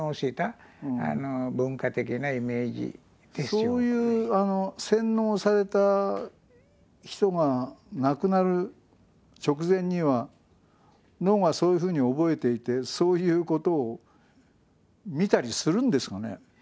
そういう洗脳された人が亡くなる直前には脳がそういうふうに覚えていてそういうことを見たりするんですかね？